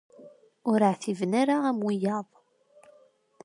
Ur ɛtiben ara am wiyaḍ.